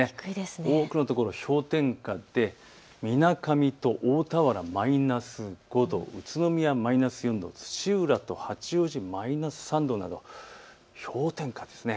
多くの所、氷点下でみなかみと大田原マイナス５度、宇都宮マイナス４度、土浦と八王子、マイナス３度など氷点下です。